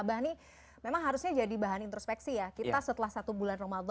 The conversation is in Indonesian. bapak bapak kita harus jeda dulu